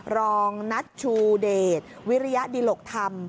รองนัทชูเดชวิริยดิหลกธรรม